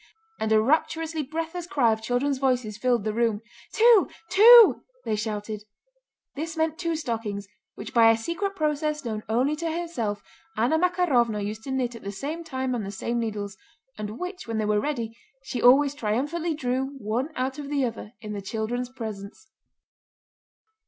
and a rapturously breathless cry of children's voices filled the room. "Two, two!" they shouted. This meant two stockings, which by a secret process known only to herself Anna Makárovna used to knit at the same time on the same needles, and which, when they were ready, she always triumphantly drew, one out of the other, in the children's presence.